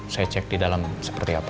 saya cek di dalam seperti apa